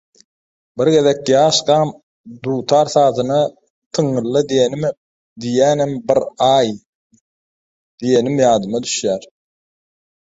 Bir gezek ýaşkam «Dutar sazyna tyňňyla diýýänem bar-aý» diýenim ýadyma düşýär.